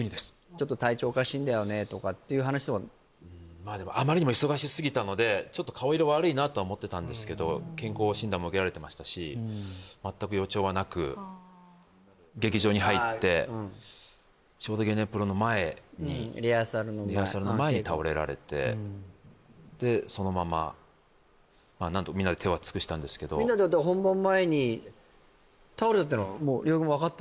ちょっと体調おかしいんだよねとかっていう話とかまあでもあまりにも忙しすぎたのでちょっと顔色悪いなとは思ってたんですけど全く予兆はなくちょうどゲネプロの前にリハーサルの前でそのままみんなで手は尽くしたんですけどみんなで本番前に倒れたっていうのは亮平君分かった？